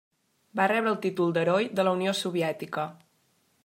Va rebre el títol d'Heroi de la Unió Soviètica.